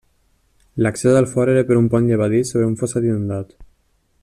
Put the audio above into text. L'accés al fort era fet per un pont llevadís sobre un fossat inundat.